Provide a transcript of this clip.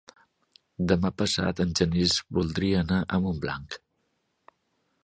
Demà passat en Genís voldria anar a Montblanc.